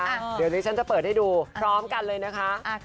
กลับด้านนิดหนึ่ง